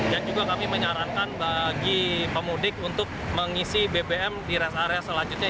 dan juga kami menyarankan bagi pemudik untuk mengisi bbm di res area selanjutnya